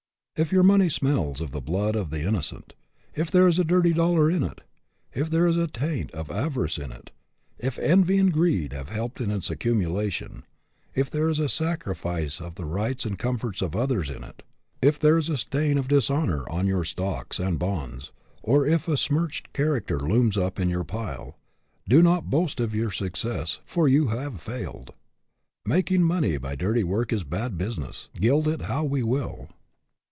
If your money smells of the blood of the innocent, if there is a dirty dollar in it, if there is a taint of avarice in it, if envy and greed have helped in its accumulation, if there is a sacrifice of the rights and comforts of others in it, if there is a stain of dishonor on your stocks and bonds, or if a smirched character looms up in your pile, do not boast of your success, for you have failed. Making money by dirty work is bad business, gild it how we will.